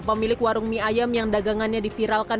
pemilik warung mie ayam yang dagangannya diviralkan